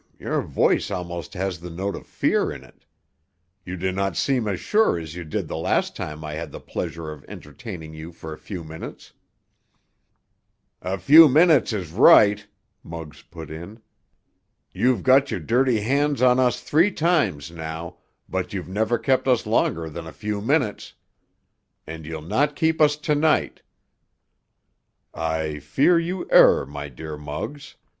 "Um! Your voice almost has the note of fear in it. You do not seem as sure as you did the last time I had the pleasure of entertaining you for a few minutes." "A few minutes is right!" Muggs put in. "You've got your dirty hands on us three times now, but you've never kept us longer than a few minutes. And you'll not keep us to night——" "I fear you err, my dear Muggs.